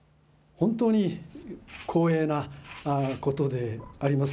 本当に光栄なことであります。